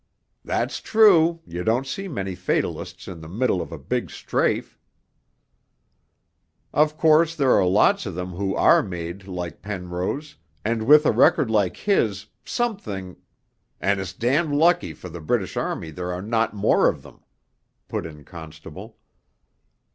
'That's true; you don't see many fatalists in the middle of a big strafe.' 'Of course there are lots of them who are made like Penrose, and with a record like his, something ' 'And it's damned lucky for the British Army there are not more of them,' put in Constable.